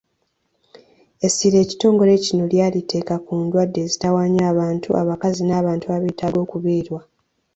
Essira ekitongole kino lyaliteeka ku ndwadde ezitawaanya abantu, abakazi n’abantu abeetaaga okubeerwa.